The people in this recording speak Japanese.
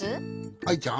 アイちゃん